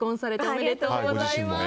おめでとうございます。